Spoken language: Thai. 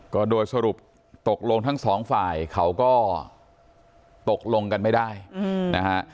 ก็โดยสรุปตกลงทั้งสองฝ่ายเขาก็ตกลงกันไม่ได้นะฮะ